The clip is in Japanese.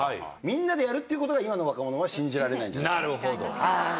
みんなでやるっていう事が今の若者は信じられないんじゃないかと。